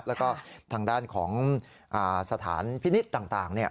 แล้วก็ทางด้านของสถานพินิษฐ์ต่าง